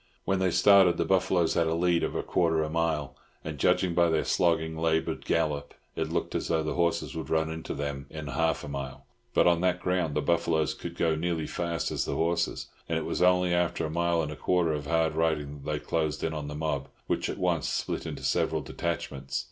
When they started the buffaloes had a lead of a quarter of a mile, and judging by their slogging, laboured gallop, it looked as though the horses would run into them in half a mile; but on that ground the buffaloes could go nearly as fast as the horses, and it was only after a mile and a quarter of hard riding that they closed in on the mob, which at once split into several detachments.